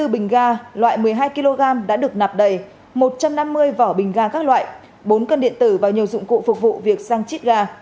hai mươi bình ga loại một mươi hai kg đã được nạp đầy một trăm năm mươi vỏ bình ga các loại bốn cân điện tử và nhiều dụng cụ phục vụ việc sang chiết ga